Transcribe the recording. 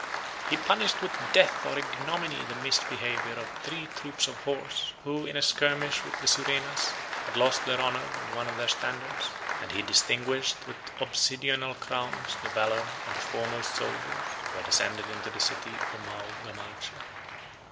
He punished with death or ignominy the misbehavior of three troops of horse, who, in a skirmish with the Surenas, had lost their honor and one of their standards: and he distinguished with obsidional 62 crowns the valor of the foremost soldiers, who had ascended into the city of Maogamalcha.